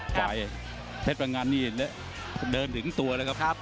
ฝ่ายเพชรพังงันนี่เดินถึงตัวแล้วครับ